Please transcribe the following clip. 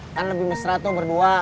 kan lebih mesra tuh berdua